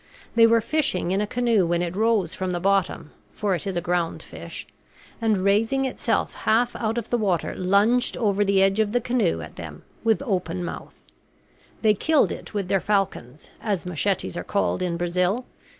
They were fishing in a canoe when it rose from the bottom for it is a ground fish and raising itself half out of the water lunged over the edge of the canoe at them, with open mouth. They killed it with their falcons, as machetes are called in Brazil.